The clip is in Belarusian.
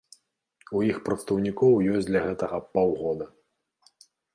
У іх прадстаўнікоў ёсць для гэтага паўгода.